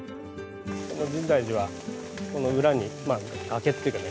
この深大寺はこの裏に崖っていうかね